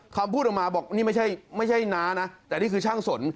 พูดออกมาบอกนี่ไม่ใช่น้านะแต่นี่คือช่างสน